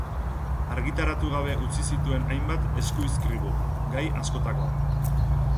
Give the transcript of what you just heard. Argitaratu gabe utzi zituen hainbat eskuizkribu, gai askotakoak.